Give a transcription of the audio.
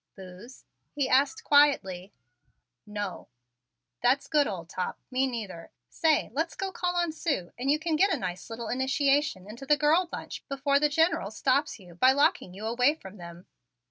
"Booze?" he asked quietly. "No!" "That's good, old top. Me neither! Say, let's go call on Sue and you can get a nice little initiation into the girl bunch before the General stops you by locking you away from them."